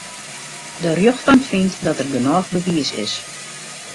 De rjochtbank fynt dat der genôch bewiis is.